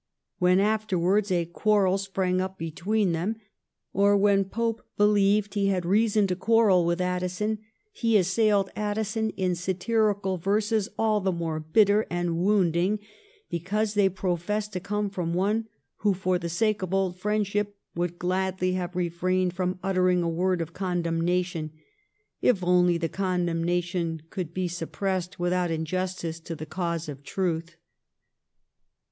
When afterwards a quarrel sprang up between them, or when Pope believed he had reason to quarrel with Addison, he assailed Addison in satirical verses all the more bitter and wounding because they professed to come from one who, for the sake of old friendship, would gladly have refrained from uttering a word of con demnation if only the condemnation could be sup pressed without injustice to the cause of truth.